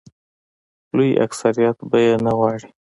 لوی اکثریت به یې نه غواړي.